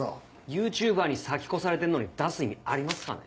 ＹｏｕＴｕｂｅｒに先越されてんのに出す意味ありますかね？